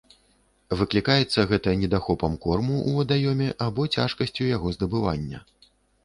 Выклікаецца гэта недахопам корму ў вадаёме або цяжкасцю яго здабывання.